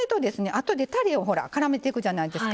あとでたれをからめていくじゃないですか。